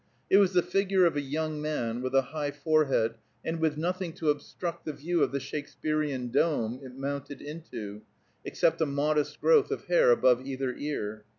It was the figure of a young man, with a high forehead, and with nothing to obstruct the view of the Shakespearian dome it mounted into, except a modest growth of hair above either ear.